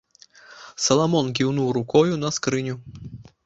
Саламон кіўнуў рукою на скрыню.